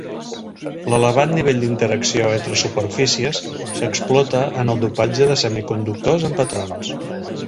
L'elevat nivell d'interacció entre superfícies s'explota en el dopatge de semiconductors amb patrons.